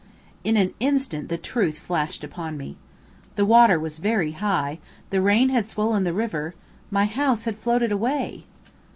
In an instant the truth flashed upon me. The water was very high the rain had swollen the river my house had floated away!